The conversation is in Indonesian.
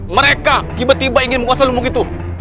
mereka tiba tiba ingin menguasai lumbung itu